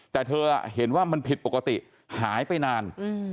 แต่เธอเห็นว่ามันผิดปกติหายไปนาน